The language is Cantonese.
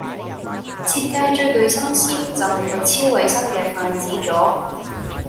設計最具心思就係個超衛生嘅筷子座